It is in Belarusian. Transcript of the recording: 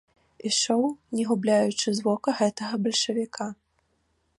Ішоў, не губляючы з вока гэтага бальшавіка.